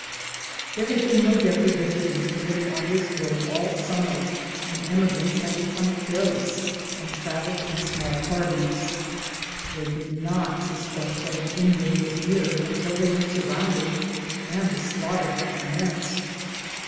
There had been no depredations committed on this road all Summer, and emigrants had become careless and traveled in small par ties. They did not suspect that an Indian was near until they were surrounded, and the slaughter had commenced.